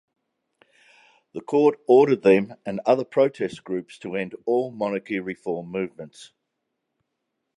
The court ordered them and other protest groups to end all monarchy reform movements.